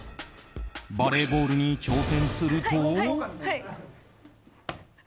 バレーボールに挑戦すると。